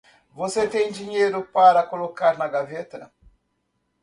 Você tem dinheiro para colocar na gaveta?